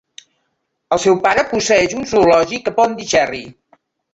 El seu pare posseeix un zoològic a Pondicherry.